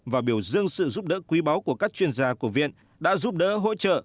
và biểu dương sự giúp đỡ quý báu của các chuyên gia của viện đã giúp đỡ hỗ trợ